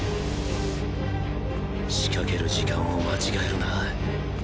仕掛ける時間を間違えるな